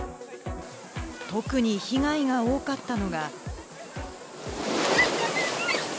特に被害が多かったのが。